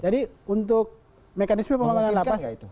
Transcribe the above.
jadi untuk mekanisme pembangunan lapas